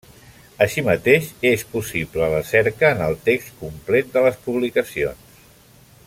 Així mateix, és possible la cerca en el text complet de les publicacions.